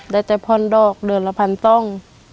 ได้แต่ผ่อนดอกเดือนละพันต้อง